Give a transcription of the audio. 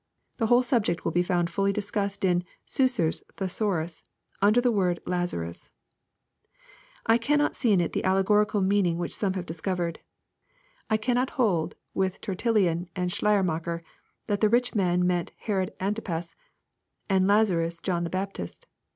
The whole subject will be found fully discussed in Suicer's Thesaurus, under the word Laza rus, I cannot see in it the allegorical meanings which some have discovered, I cannot hold, with Tertullian and Schleiermacher, that the rich man meant Herod Antipas, and Lazarus John the Baptist.